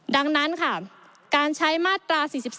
ดังนั้นค่ะการใช้มาตรา๔๔